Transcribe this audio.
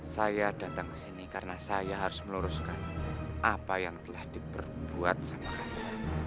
saya datang kesini karena saya harus meluruskan apa yang telah diperbuat sama kalian